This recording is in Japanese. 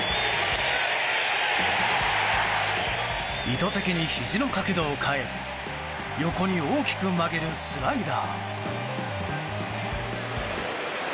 意図的にひじの角度を変え横に大きく曲げるスライダー。